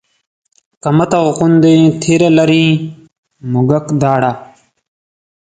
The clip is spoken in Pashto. که مته غوندې تېره لري مږک داړه